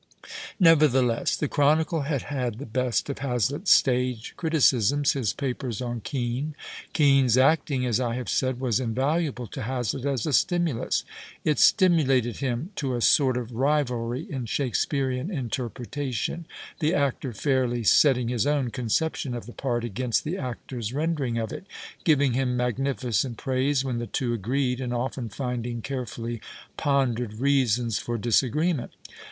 Nevertheless, the Chronicle had had the best of Hazlitt"s stage criticisms, his papers on Kean. Kean's acting, as I have said, was invaluable to Hazlitt as a stimulus. It stimulated him to a sort of rivalry in Shakespearian interpretation, the actor fairly setting his own conception of the part against the actor's rendering of it, giving him magnificent praise when the two agreed, and often linding care fully pondered reasons for disagreement.